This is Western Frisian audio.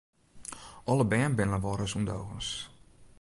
Alle bern binne wolris ûndogens.